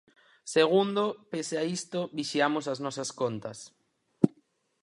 Segundo, pese a isto, vixiamos as nosas contas.